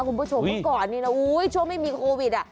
คุณผู้ชมเมื่อก่อนโอ้โฮช่วงไม่มีโควิด